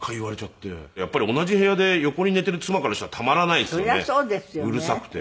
やっぱり同じ部屋で横に寝ている妻からしたらたまらないですよねうるさくて。